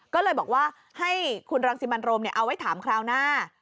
ก็เลยบอกว่าให้คุณรังสิมันโรมเอาไว้ถามคราวหน้า